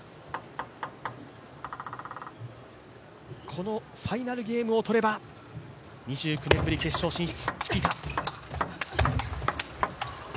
このファイナルゲームを取れば２９年ぶり決勝進出。